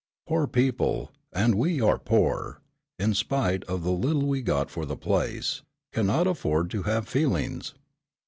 Poor people, and we are poor, in spite of the little we got for the place, cannot afford to have feelings.